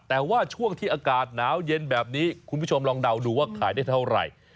แต่ว่าช่วงที่อากาศหนาวเย็นแบบนี้คุณผู้ชมลองเดาดูว่าขายได้เท่าไหร่